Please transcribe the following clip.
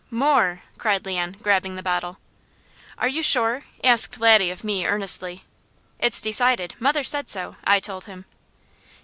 "More!" cried Leon, grabbing the bottle. "Are you sure?" asked Laddie of me earnestly. "It's decided. Mother said so," I told him.